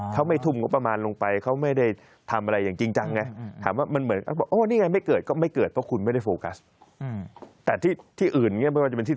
เขาไม่ทุ่มระปะมาณลงไปเขาไม่ได้